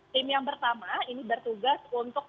tim yang pertama ini bertugas untuk